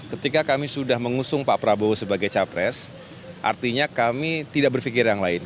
ketika kami sudah mengusung pak prabowo sebagai capres artinya kami tidak berpikir yang lain